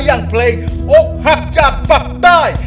อย่างเพลงอกหักจากปากใต้